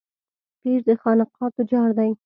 پير د خانقاه تجار دی.